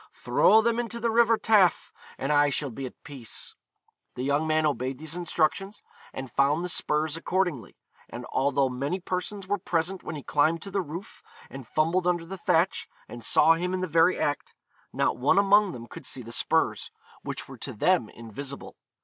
Throw them into the river Taff, and I shall be at peace.' The young man obeyed these instructions, and found the spurs accordingly; and although many persons were present when he climbed to the roof and fumbled under the thatch, and saw him in the very act, not one among them could see the spurs, which were to them invisible.